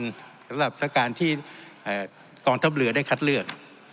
สำหรับสการที่กองทับเหลือได้คัดเลือก